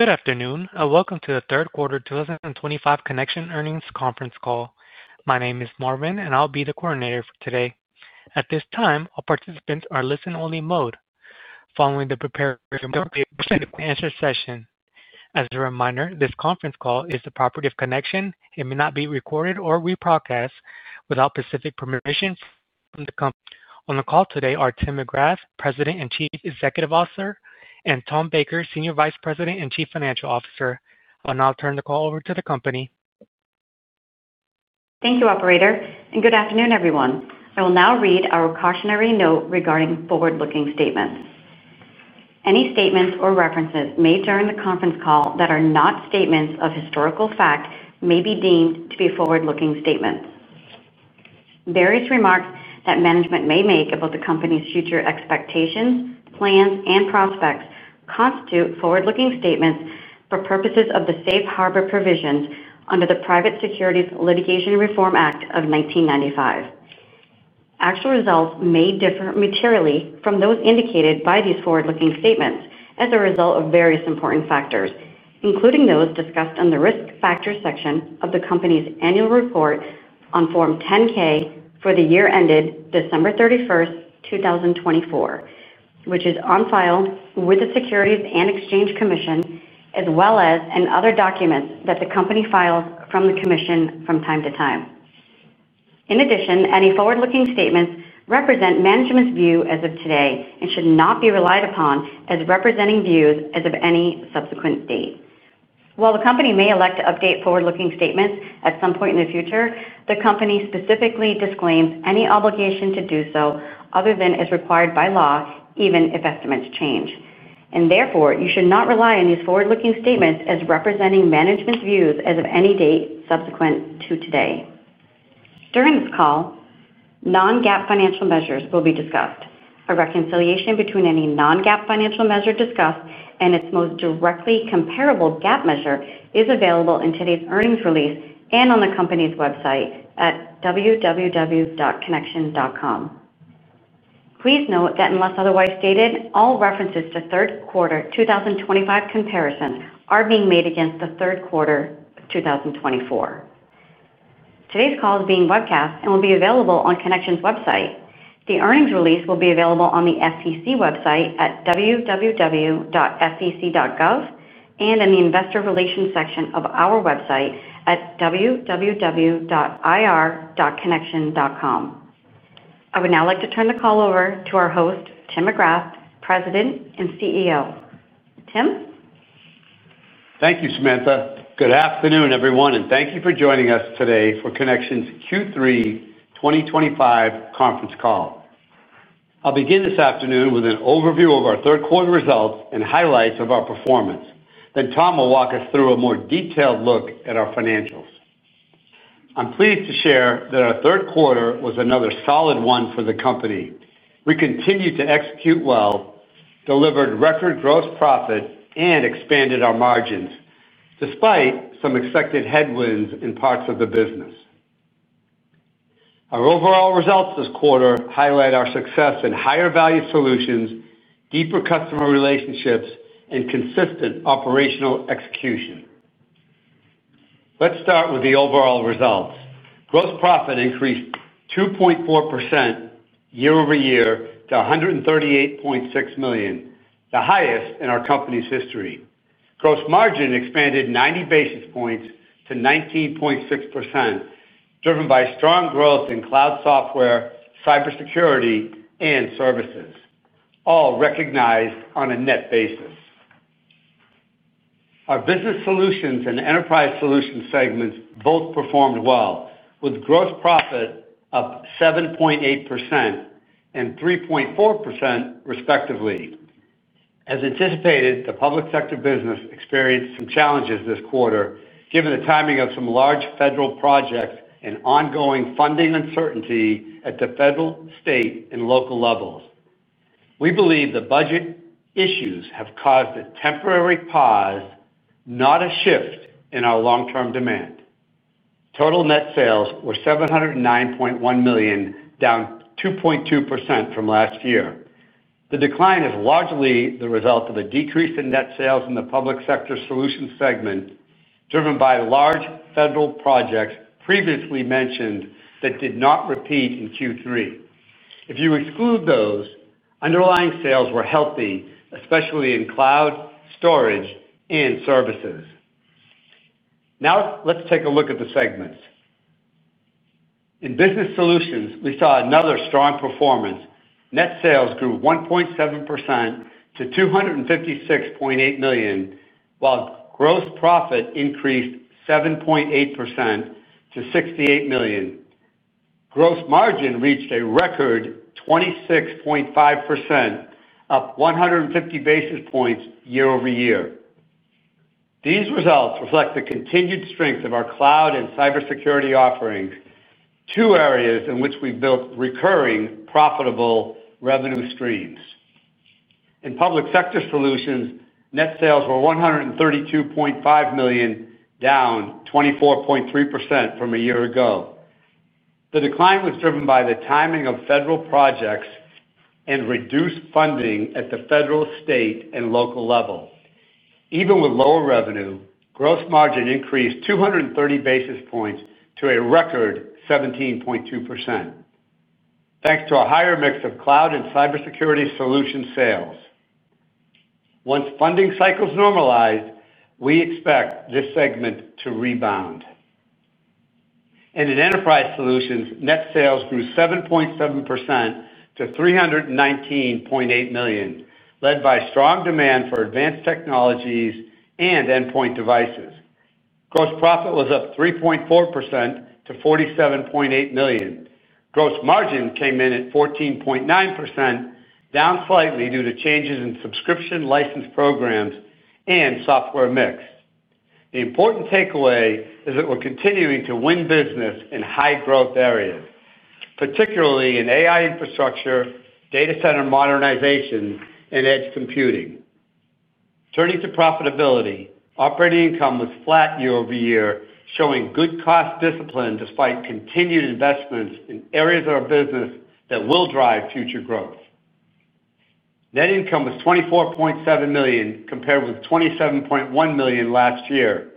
Good afternoon. Welcome to the third quarter 2025 Connection earnings conference call. My name is Marvin, and I'll be the coordinator for today. At this time, all participants are in listen-only mode, following the preparation of the answer session. As a reminder, this conference call is the property of Connection and may not be recorded or reproduced without specific permission from the company. On the call today are Tim McGrath, President and Chief Executive Officer, and Tom Baker, Senior Vice President and Chief Financial Officer. I'll now turn the call over to the company. Thank you, Operator. Good afternoon, everyone. I will now read our cautionary note regarding forward-looking statements. Any statements or references made during the conference call that are not statements of historical fact may be deemed to be forward-looking statements. Various remarks that management may make about the company's future expectations, plans, and prospects constitute forward-looking statements for purposes of the safe harbor provisions under the Private Securities Litigation Reform Act of 1995. Actual results may differ materially from those indicated by these forward-looking statements as a result of various important factors, including those discussed in the risk factor section of the company's annual report on Form 10-K for the year ended December 31, 2024, which is on file with the Securities and Exchange Commission, as well as in other documents that the company files with the Commission from time to time. In addition, any forward-looking statements represent management's view as of today and should not be relied upon as representing views as of any subsequent date. While the company may elect to update forward-looking statements at some point in the future, the company specifically disclaims any obligation to do so other than as required by law, even if estimates change. Therefore, you should not rely on these forward-looking statements as representing management's views as of any date subsequent to today. During this call, non-GAAP financial measures will be discussed. A reconciliation between any non-GAAP financial measure discussed and its most directly comparable GAAP measure is available in today's earnings release and on the company's website at www.connection.com. Please note that unless otherwise stated, all references to third quarter 2025 comparisons are being made against the third quarter of 2024. Today's call is being webcast and will be available on Connection's website. The earnings release will be available on the SEC website at www.sec.gov and in the investor relations section of our website at www.ir.connection.com. I would now like to turn the call over to our host, Tim McGrath, President and CEO. Tim? Thank you, Samantha. Good afternoon, everyone, and thank you for joining us today for Connection's Q3 2025 conference call. I'll begin this afternoon with an overview of our third quarter results and highlights of our performance. Tom will walk us through a more detailed look at our financials. I'm pleased to share that our third quarter was another solid one for the company. We continued to execute well, delivered record gross profits, and expanded our margins despite some expected headwinds in parts of the business. Our overall results this quarter highlight our success in higher value solutions, deeper customer relationships, and consistent operational execution. Let's start with the overall results. Gross profit increased 2.4% year-over-year to $138.6 million, the highest in our company's history. Gross margin expanded 90 basis points to 19.6%, driven by strong growth in cloud software, cybersecurity, and services, all recognized on a net basis. Our business solutions and enterprise solutions segments both performed well, with gross profit up 7.8% and 3.4% respectively. As anticipated, the public sector business experienced some challenges this quarter given the timing of some large federal projects and ongoing funding uncertainty at the federal, state, and local levels. We believe the budget issues have caused a temporary pause, not a shift in our long-term demand. Total net sales were $709.1 million, down 2.2% from last year. The decline is largely the result of a decrease in net sales in the public sector solutions segment, driven by large federal projects previously mentioned that did not repeat in Q3. If you exclude those, underlying sales were healthy, especially in cloud, storage, and services. Now let's take a look at the segments. In business solutions, we saw another strong performance. Net sales grew 1.7% to $256.8 million, while gross profit increased 7.8% to $68 million. Gross margin reached a record 26.5%, up 150 basis points year-over-year. These results reflect the continued strength of our cloud and cybersecurity offerings, two areas in which we built recurring profitable revenue streams. In public sector solutions, net sales were $132.5 million, down 24.3% from a year ago. The decline was driven by the timing of federal projects and reduced funding at the federal, state, and local level. Even with lower revenue, gross margin increased 230 basis points to a record 17.2%, thanks to a higher mix of cloud and cybersecurity solution sales. Once funding cycles normalized, we expect this segment to rebound. In enterprise solutions, net sales grew 7.7% to $319.8 million, led by strong demand for advanced technologies and endpoint devices. Gross profit was up 3.4% to $47.8 million. Gross margin came in at 14.9%, down slightly due to changes in subscription license programs and software mix. The important takeaway is that we're continuing to win business in high-growth areas, particularly in AI infrastructure, data center modernization, and edge computing. Turning to profitability, operating income was flat year-over-year, showing good cost discipline despite continued investments in areas of our business that will drive future growth. Net income was $24.7 million compared with $27.1 million last year,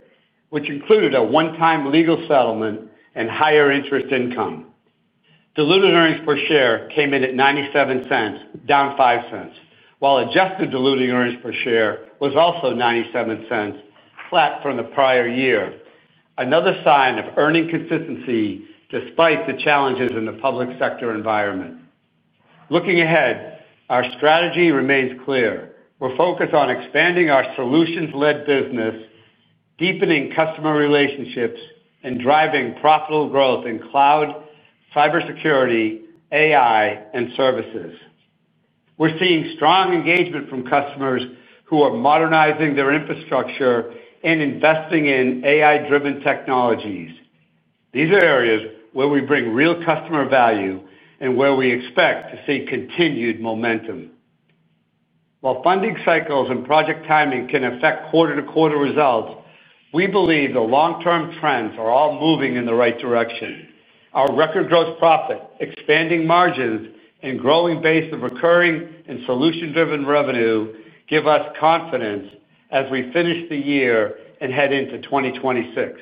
which included a one-time legal settlement and higher interest income. Diluted earnings per share came in at $0.97, down $0.05, while adjusted diluted earnings per share was also $0.97, flat from the prior year, another sign of earning consistency despite the challenges in the public sector environment. Looking ahead, our strategy remains clear. We're focused on expanding our solutions-led business, deepening customer relationships, and driving profitable growth in cloud, cybersecurity, AI, and services. We're seeing strong engagement from customers who are modernizing their infrastructure and investing in AI-driven technologies. These are areas where we bring real customer value and where we expect to see continued momentum. While funding cycles and project timing can affect quarter-to-quarter results, we believe the long-term trends are all moving in the right direction. Our record gross profit, expanding margins, and growing base of recurring and solution-driven revenue give us confidence as we finish the year and head into 2026.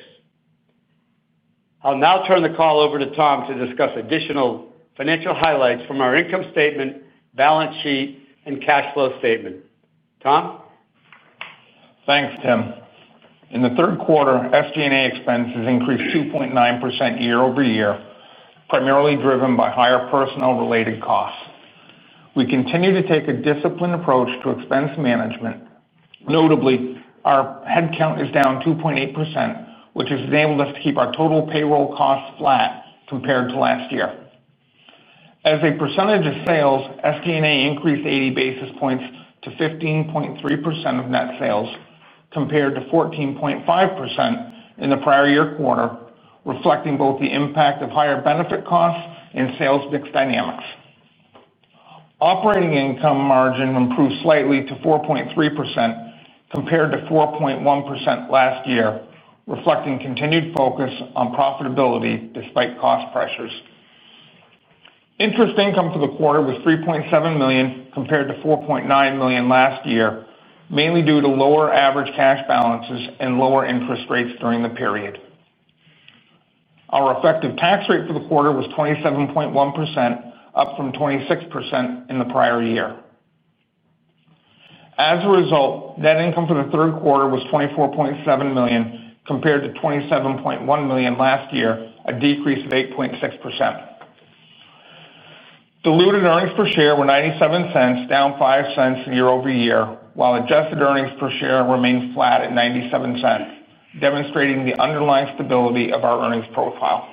I'll now turn the call over to Tom to discuss additional financial highlights from our income statement, balance sheet, and cash flow statement. Tom? Thanks, Tim. In the third quarter, FD&A expenses increased 2.9% year-over-year, primarily driven by higher personnel-related costs. We continue to take a disciplined approach to expense management. Notably, our headcount is down 2.8%, which has enabled us to keep our total payroll costs flat compared to last year. As a percentage of sales, FD&A increased 80 basis points to 15.3% of net sales compared to 14.5% in the prior year quarter, reflecting both the impact of higher benefit costs and sales mix dynamics. Operating income margin improved slightly to 4.3% compared to 4.1% last year, reflecting continued focus on profitability despite cost pressures. Interest income for the quarter was $3.7 million compared to $4.9 million last year, mainly due to lower average cash balances and lower interest rates during the period. Our effective tax rate for the quarter was 27.1%, up from 26% in the prior year. As a result, net income for the third quarter was $24.7 million compared to $27.1 million last year, a decrease of 8.6%. Diluted earnings per share were $0.97, down $0.05 year-over-year, while adjusted earnings per share remained flat at $0.97, demonstrating the underlying stability of our earnings profile.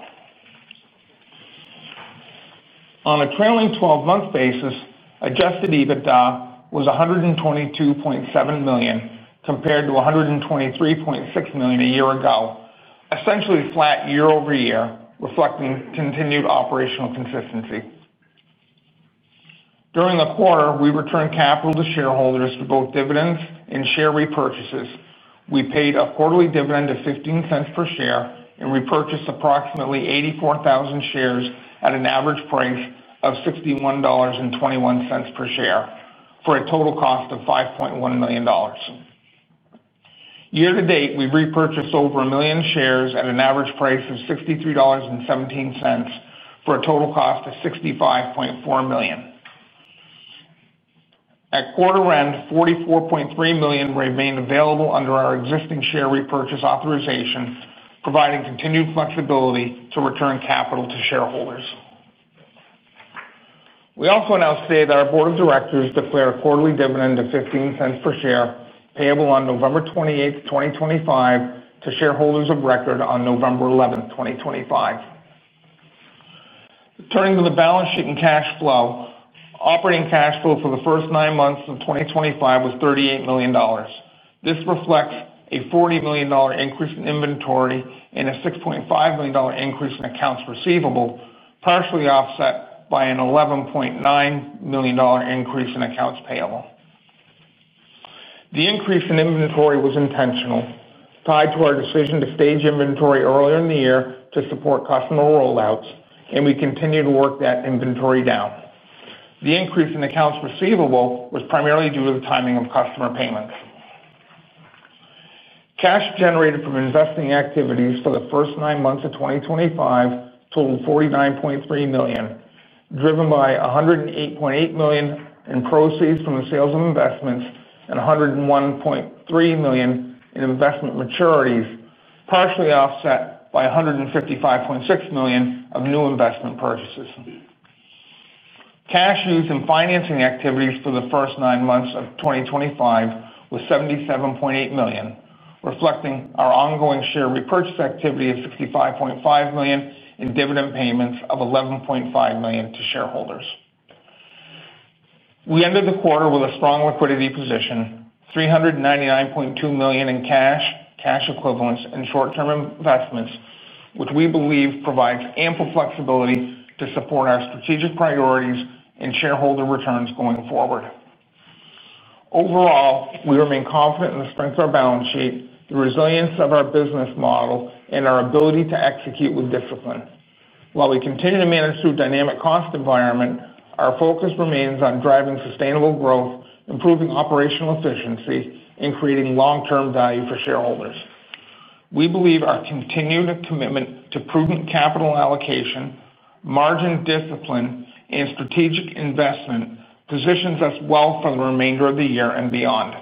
On a trailing 12-month basis, adjusted EBITDA was $122.7 million compared to $123.6 million a year ago, essentially flat year-over-year, reflecting continued operational consistency. During the quarter, we returned capital to shareholders for both dividends and share repurchases. We paid a quarterly dividend of $0.15 per share and repurchased approximately 84,000 shares at an average price of $61.21 per share for a total cost of $5.1 million. Year to date, we repurchased over a million shares at an average price of $63.17 for a total cost of $65.4 million. At quarter end, $44.3 million remained available under our existing share repurchase authorization, providing continued flexibility to return capital to shareholders. We also announced today that our board of directors declared a quarterly dividend of $0.15 per share, payable on November 28, 2025, to shareholders of record on November 11, 2025. Turning to the balance sheet and cash flow, operating cash flow for the first nine months of 2025 was $38 million. This reflects a $40 million increase in inventory and a $6.5 million increase in accounts receivable, partially offset by an $11.9 million increase in accounts payable. The increase in inventory was intentional, tied to our decision to stage inventory earlier in the year to support customer rollouts, and we continued to work that inventory down. The increase in accounts receivable was primarily due to the timing of customer payments. Cash generated from investing activities for the first nine months of 2025 totaled $49.3 million, driven by $108.8 million in proceeds from the sales of investments and $101.3 million in investment maturities, partially offset by $155.6 million of new investment purchases. Cash used in financing activities for the first nine months of 2025 was $77.8 million, reflecting our ongoing share repurchase activity of $65.5 million and dividend payments of $11.5 million to shareholders. We ended the quarter with a strong liquidity position, $399.2 million in cash, cash equivalents, and short-term investments, which we believe provides ample flexibility to support our strategic priorities and shareholder returns going forward. Overall, we remain confident in the strength of our balance sheet, the resilience of our business model, and our ability to execute with discipline. While we continue to manage through a dynamic cost environment, our focus remains on driving sustainable growth, improving operational efficiency, and creating long-term value for shareholders. We believe our continued commitment to prudent capital allocation, margin discipline, and strategic investment positions us well for the remainder of the year and beyond.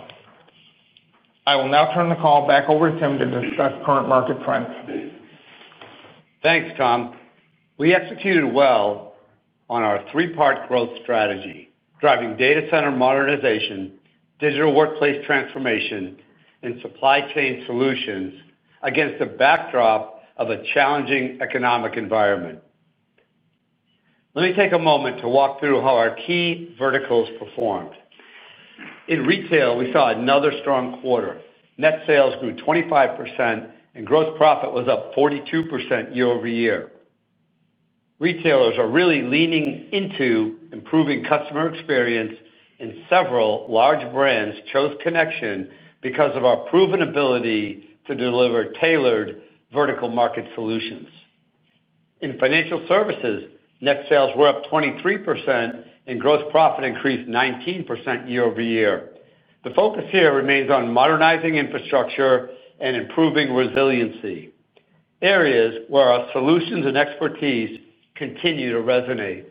I will now turn the call back over to Tim to discuss current market trends. Thanks, Tom. We executed well on our three-part growth strategy, driving data center modernization, digital workplace transformation, and supply chain solutions against the backdrop of a challenging economic environment. Let me take a moment to walk through how our key verticals performed. In retail, we saw another strong quarter. Net sales grew 25%, and gross profit was up 42% year-over-year. Retailers are really leaning into improving customer experience, and several large brands chose Connection because of our proven ability to deliver tailored vertical market solutions. In financial services, net sales were up 23%, and gross profit increased 19% year-over-year. The focus here remains on modernizing infrastructure and improving resiliency, areas where our solutions and expertise continue to resonate.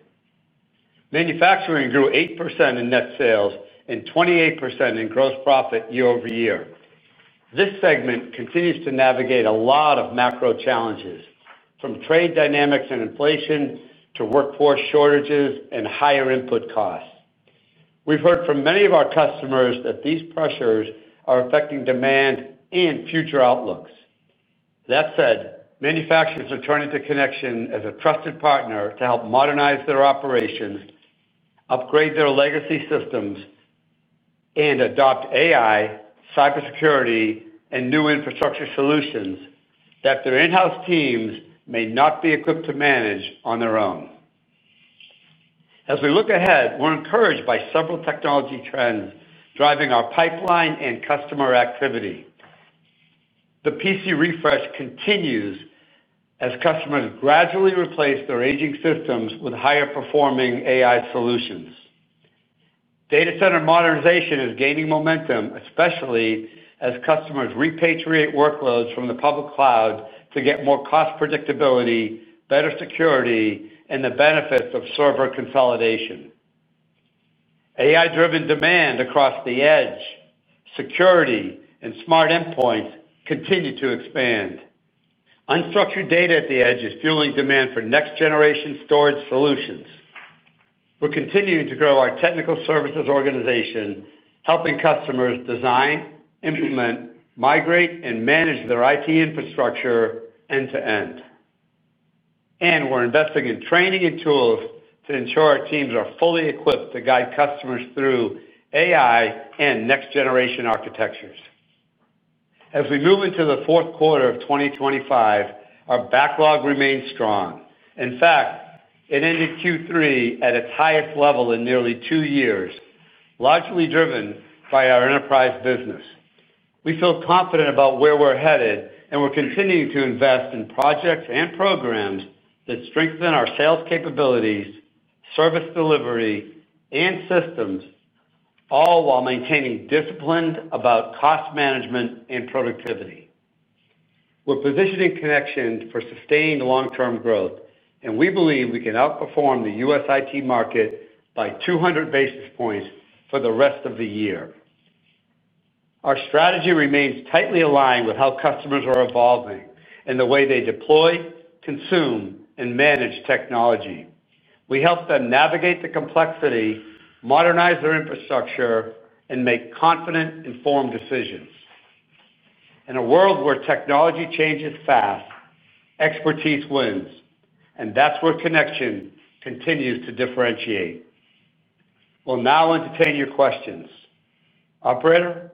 Manufacturing grew 8% in net sales and 28% in gross profit year-over-year. This segment continues to navigate a lot of macro challenges, from trade dynamics and inflation to workforce shortages and higher input costs. We've heard from many of our customers that these pressures are affecting demand and future outlooks. That said, manufacturers are turning to Connection as a trusted partner to help modernize their operations, upgrade their legacy systems, and adopt AI, cybersecurity, and new infrastructure solutions that their in-house teams may not be equipped to manage on their own. As we look ahead, we're encouraged by several technology trends driving our pipeline and customer activity. The PC refresh continues as customers gradually replace their aging systems with higher-performing AI solutions. Data center modernization is gaining momentum, especially as customers repatriate workloads from the public cloud to get more cost predictability, better security, and the benefits of server consolidation. AI-driven demand across the edge, security, and smart endpoints continue to expand. Unstructured data at the edge is fueling demand for next-generation storage solutions. We're continuing to grow our technical services organization, helping customers design, implement, migrate, and manage their IT infrastructure end to end. We're investing in training and tools to ensure our teams are fully equipped to guide customers through AI and next-generation architectures. As we move into the fourth quarter of 2025, our backlog remains strong. In fact, it ended Q3 at its highest level in nearly two years, largely driven by our enterprise business. We feel confident about where we're headed, and we're continuing to invest in projects and programs that strengthen our sales capabilities, service delivery, and systems, all while maintaining discipline about cost management and productivity. We're positioning Connection for sustained long-term growth, and we believe we can outperform the U.S. IT market by 200 basis points for the rest of the year. Our strategy remains tightly aligned with how customers are evolving and the way they deploy, consume, and manage technology. We help them navigate the complexity, modernize their infrastructure, and make confident, informed decisions. In a world where technology changes fast, expertise wins, and that's where Connection continues to differentiate. We'll now entertain your questions. Operator?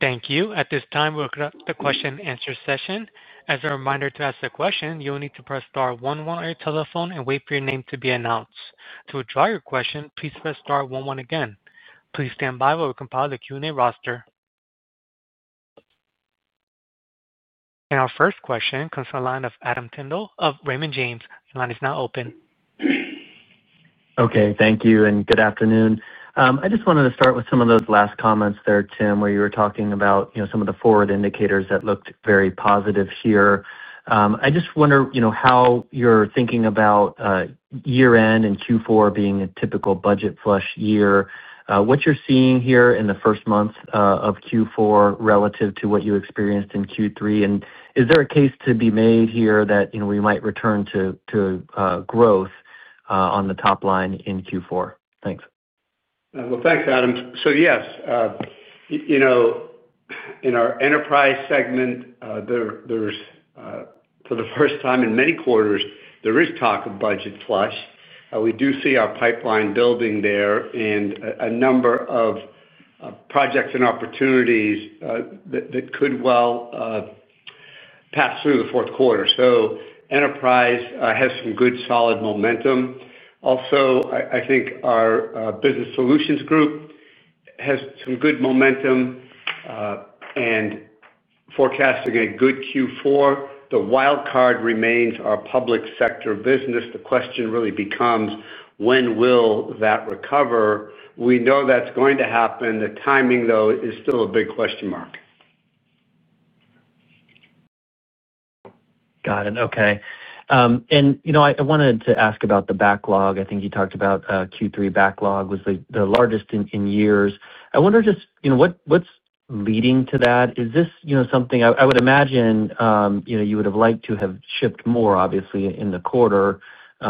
Thank you. At this time, we'll conduct the question and answer session. As a reminder, to ask a question, you'll need to press star one while on your telephone and wait for your name to be announced. To withdraw your question, please press star one one again. Please stand by while we compile the Q&A roster. Our first question comes from the line of Adam Tindle of Raymond James. The line is now open. Okay. Thank you and good afternoon. I just wanted to start with some of those last comments there, Tim, where you were talking about some of the forward indicators that looked very positive here. I just wonder how you're thinking about year-end and Q4 being a typical budget-flush year. What you're seeing here in the first month of Q4 relative to what you experienced in Q3, and is there a case to be made here that we might return to growth on the top line in Q4? Thanks. Thank you, Adam. In our enterprise segment, for the first time in many quarters, there is talk of budget flush. We do see our pipeline building there and a number of projects and opportunities that could well pass through the fourth quarter. Enterprise has some good solid momentum. Also, I think our business solutions group has some good momentum and is forecasting a good Q4. The wildcard remains our public sector business. The question really becomes, when will that recover? We know that's going to happen. The timing, though, is still a big question mark. Got it. Okay. I wanted to ask about the backlog. I think you talked about Q3 backlog was the largest in years. I wonder just, you know, what's leading to that? Is this something I would imagine you would have liked to have shipped more, obviously, in the quarter, if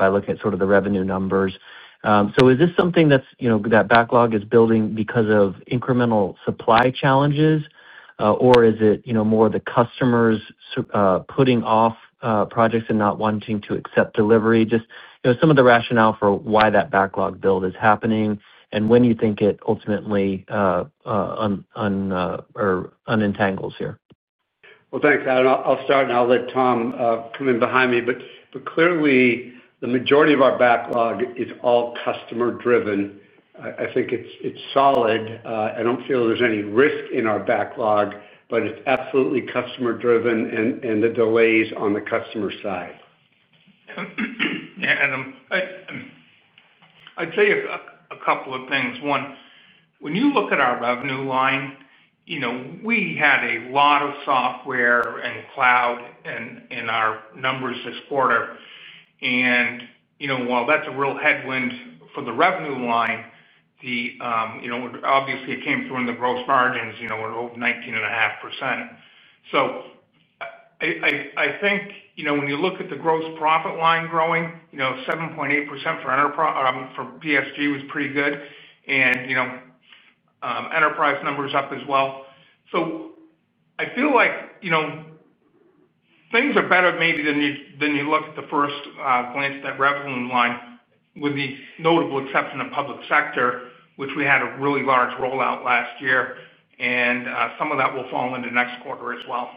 I look at sort of the revenue numbers? Is this something that backlog is building because of incremental supply challenges, or is it more the customers putting off projects and not wanting to accept delivery? Just some of the rationale for why that backlog build is happening and when you think it ultimately unentangles here. Thank you, Adam. I'll start and I'll let Tom come in behind me. Clearly, the majority of our backlog is all customer-driven. I think it's solid. I don't feel there's any risk in our backlog, it's absolutely customer-driven and the delays are on the customer side. Yeah, Adam. I'd say a couple of things. One, when you look at our revenue line, you know we had a lot of software and cloud in our numbers this quarter. While that's a real headwind for the revenue line, obviously, it came through in the gross margins, we're over 19.5%. I think when you look at the gross profit line growing, 7.8% for BSG was pretty good, and enterprise numbers up as well. I feel like things are better maybe than you look at the first glance at that revenue line, with the notable exception of public sector, which we had a really large rollout last year, and some of that will fall into next quarter as well.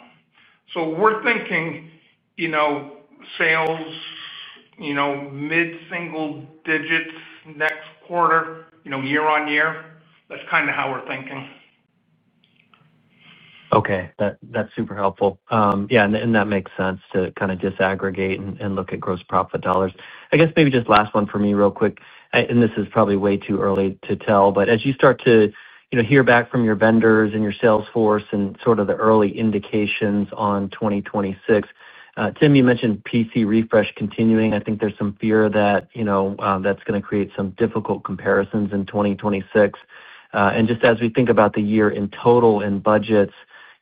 We're thinking sales mid-single digits next quarter, year on year. That's kind of how we're thinking. Okay. That's super helpful. Yeah, that makes sense to kind of disaggregate and look at gross profit dollars. I guess maybe just last one for me real quick. This is probably way too early to tell, but as you start to hear back from your vendors and your sales force and sort of the early indications on 2026, Tim, you mentioned PC refresh continuing. I think there's some fear that you know that's going to create some difficult comparisons in 2026. Just as we think about the year in total and budgets,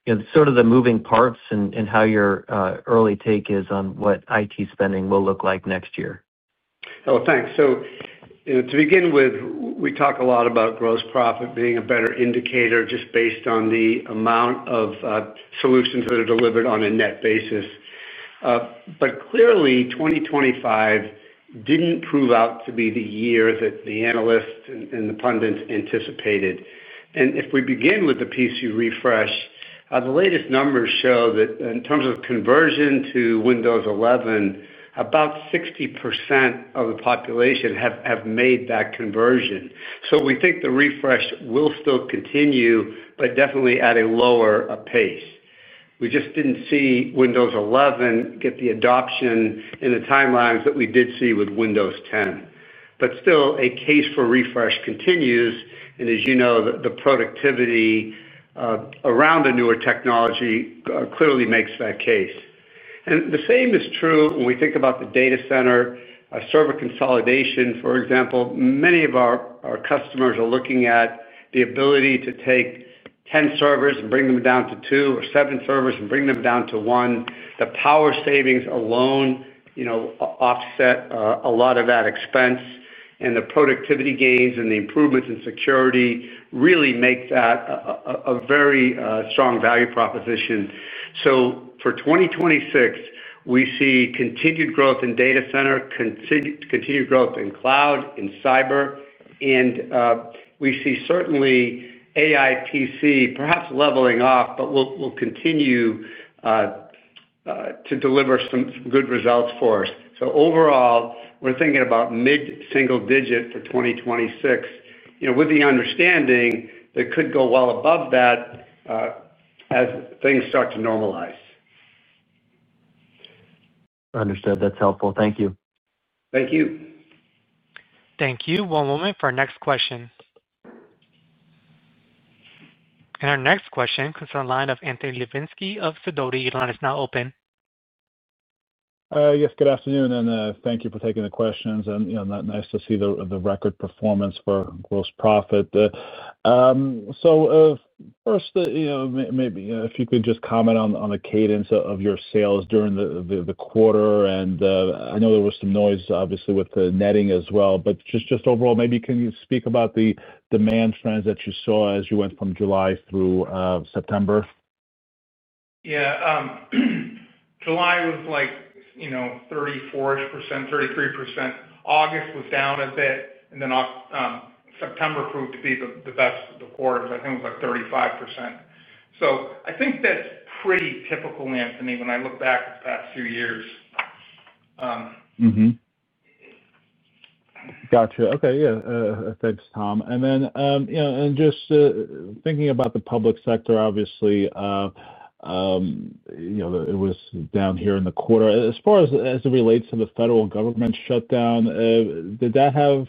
you know sort of the moving parts and how your early take is on what IT spending will look like next year. Thanks. You know, to begin with, we talk a lot about gross profit being a better indicator just based on the amount of solutions that are delivered on a net basis. Clearly, 2025 didn't prove out to be the year that the analysts and the pundits anticipated. If we begin with the PC refresh, the latest numbers show that in terms of conversion to Windows 11, about 60% of the population have made that conversion. We think the refresh will still continue, but definitely at a lower pace. We just didn't see Windows 11 get the adoption in the timelines that we did see with Windows 10. Still, a case for refresh continues. As you know, the productivity around the newer technology clearly makes that case. The same is true when we think about the data center, server consolidation, for example. Many of our customers are looking at the ability to take 10 servers and bring them down to two or seven servers and bring them down to one. The power savings alone offset a lot of that expense, and the productivity gains and the improvements in security really make that a very strong value proposition. For 2026, we see continued growth in data center, continued growth in cloud, in cyber, and we see certainly AI PCs perhaps leveling off, but we'll continue to deliver some good results for us. Overall, we're thinking about mid-single digit for 2026, with the understanding that it could go well above that as things start to normalize. Understood. That's helpful. Thank you. Thank you. Thank you. One moment for our next question. Our next question comes from the line of Anthony Levinsky of Sidoti. The line is now open. Yes. Good afternoon, and thank you for taking the questions. Nice to see the record performance for gross profit. First, maybe if you could just comment on the cadence of your sales during the quarter. I know there was some noise, obviously, with the netting as well. Just overall, maybe can you speak about the demand trends that you saw as you went from July through September? Yeah. July was like 34%, 33%. August was down a bit, and then September proved to be the best of the quarters. I think it was like 35%. I think that's pretty typical, Anthony, when I look back at the past few years. Okay. Thanks, Tom. Just thinking about the public sector, obviously, it was down here in the quarter. As far as it relates to the federal government shutdown, did that have,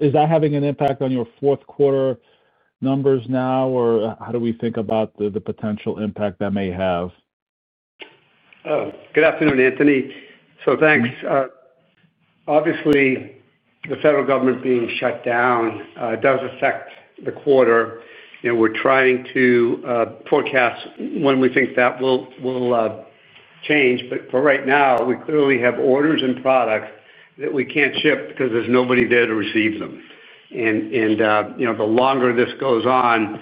is that having an impact on your fourth quarter numbers now, or how do we think about the potential impact that may have? Oh, good afternoon, Anthony. Thanks. Obviously, the federal government being shut down does affect the quarter. You know we're trying to forecast when we think that will change. For right now, we clearly have orders and products that we can't ship because there's nobody there to receive them. The longer this goes on,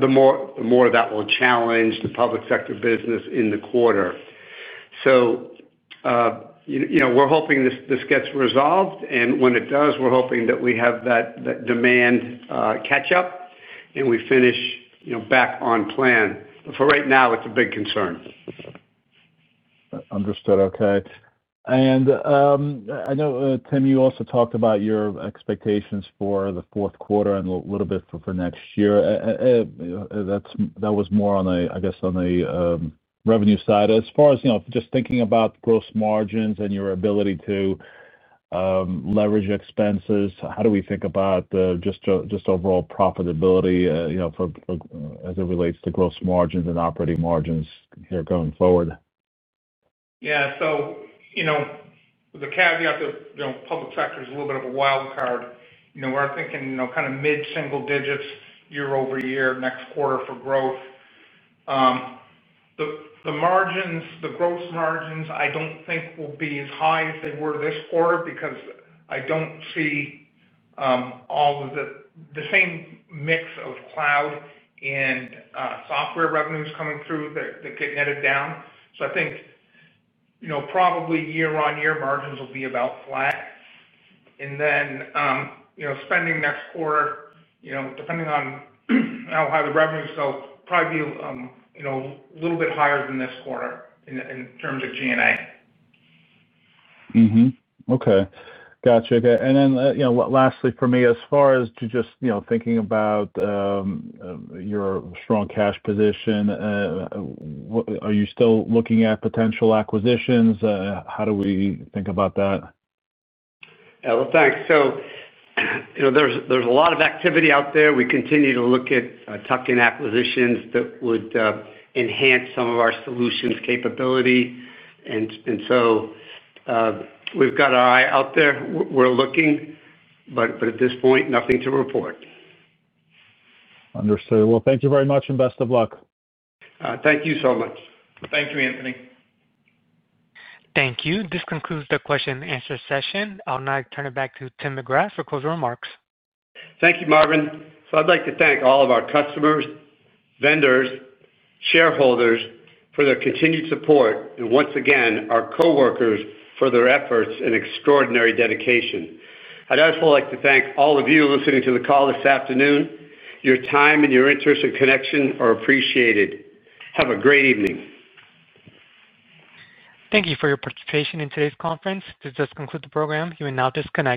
the more that will challenge the public sector business in the quarter. We're hoping this gets resolved. When it does, we're hoping that we have that demand catch up and we finish back on plan. For right now, it's a big concern. Understood. Okay. I know, Tim, you also talked about your expectations for the fourth quarter and a little bit for next year. That was more on a, I guess, on a revenue side. As far as you know, just thinking about gross margins and your ability to leverage expenses, how do we think about just overall profitability for as it relates to gross margins and operating margins here going forward? Yeah. With the caveat that the public sector is a little bit of a wildcard, we're thinking kind of mid-single digits year-over-year next quarter for growth. The gross margins, I don't think will be as high as they were this quarter because I don't see all of the same mix of cloud and software revenues coming through that get netted down. I think probably year-on-year margins will be about flat. Spending next quarter, depending on how high the revenues go, will probably be a little bit higher than this quarter in terms of G&A. Mm-hmm. Okay. Gotcha. Okay. Lastly for me, as far as just thinking about your strong cash position, are you still looking at potential acquisitions? How do we think about that? Thank you. You know there's a lot of activity out there. We continue to look at tuck-in acquisitions that would enhance some of our solutions capability, and we've got our eye out there. We're looking, but at this point, nothing to report. Thank you very much and best of luck. Thank you so much. Thank you, Anthony. Thank you. This concludes the question and answer session. I'll now turn it back to Tim McGrath for closing remarks. Thank you, Marvin. I'd like to thank all of our customers, vendors, and shareholders for their continued support, and once again, our coworkers for their efforts and extraordinary dedication. I'd also like to thank all of you listening to the call this afternoon. Your time and your interest in Connection are appreciated. Have a great evening. Thank you for your participation in today's conference. To conclude the program, you will now disconnect.